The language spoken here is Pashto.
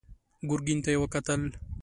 ګرګين ته يې وکتل.